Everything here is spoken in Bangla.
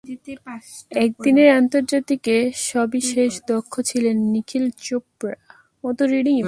একদিনের আন্তর্জাতিকে সবিশেষ দক্ষ ছিলেন নিখিল চোপড়া।